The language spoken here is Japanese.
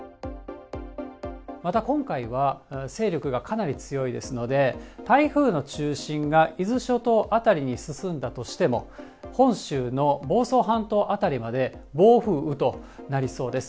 また今回は、勢力がかなり強いですので、台風の中心が伊豆諸島辺りに進んだとしても、本州の房総半島辺りまで暴風雨となりそうです。